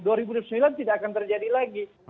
dua ribu dua puluh sembilan tidak akan terjadi lagi